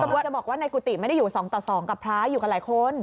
จะบอกว่าในกุฏิไม่ได้อยู่๒ต่อ๒กับพระอยู่กันหลายคน